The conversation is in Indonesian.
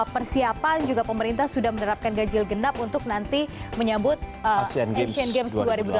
persiapan juga pemerintah sudah menerapkan ganjil genap untuk nanti menyambut asian games dua ribu delapan belas